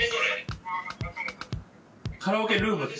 カラオケルームです